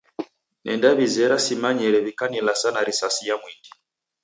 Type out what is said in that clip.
Nendaw'izera simanyire w'ikanilasa na risasi ya mwindi.